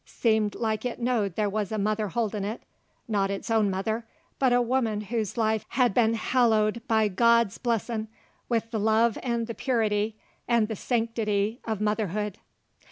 Seemed like it knowed there wuz a mother holdin' it, not its own mother, but a woman whose life hed been hallowed by God's blessin' with the love 'nd the purity 'nd the sanctity uv motherhood.